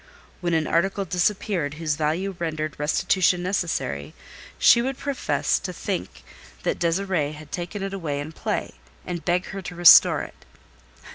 When an article disappeared whose value rendered restitution necessary, she would profess to think that Désirée had taken it away in play, and beg her to restore it.